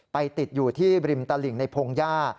ติดอยู่ที่ริมตลิ่งในพงหญ้า